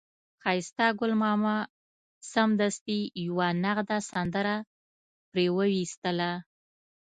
ښایسته ګل ماما سمدستي یوه نغده سندره پرې وویستله.